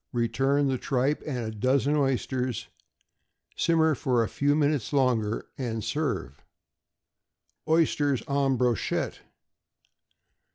Return the tripe and a dozen oysters; simmer for a few minutes longer, and serve. =Oysters en Brochette.